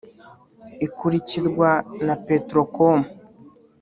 ikurikirwa na Petrocom